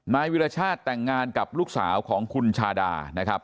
นายวิรชาติแต่งงานกับลูกสาวของคุณชาดานะครับ